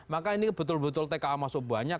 maka ini betul betul tka masuk banyak